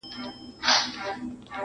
دنیا ډېره بې وفاده عاقلان نه په نازېږي,